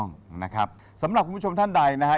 จริงนะพี่ถูกต้องนะครับสำหรับคุณผู้ชมท่านใดนะฮะ